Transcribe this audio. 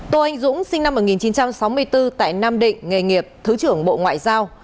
tô anh dũng sinh năm một nghìn chín trăm sáu mươi bốn tại nam định nghề nghiệp thứ trưởng bộ ngoại giao